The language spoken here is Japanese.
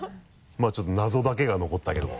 まぁちょっと謎だけが残ったけども。